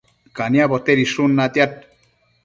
caniabo tedishun natiad